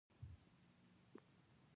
بې له کوم سواله